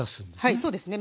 はいそうですね。